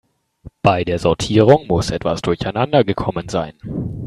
Bei der Sortierung muss etwas durcheinander gekommen sein.